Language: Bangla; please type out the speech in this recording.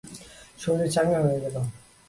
শরীর চাঙ্গা হয়ে গেল।